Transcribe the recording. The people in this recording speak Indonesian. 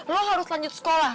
lo harus lanjut sekolah